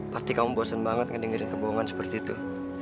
pasti kamu bosan banget ngedengerin kebohongan seperti itu